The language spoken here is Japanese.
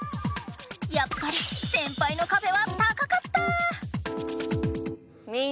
やっぱり先輩のかべは高かった！